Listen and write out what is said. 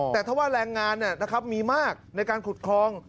แต่ถ้าว่าแรงงานเนี่ยนะครับมีมากในการขุดคลอง